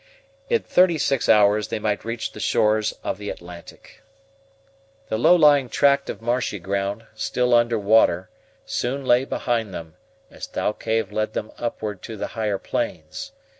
In thirty six hours they might reach the shores of the Atlantic. The low lying tract of marshy ground, still under water, soon lay behind them, as Thalcave led them upward to the higher plains.